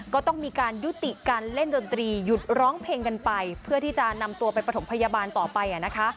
ก็ต้องมีการยุติการเล่นดนตรีหยุดร้องเพลงกันไปเพื่อที่จะนำตัวไปประถมพยาบาลต่อไปนะคะ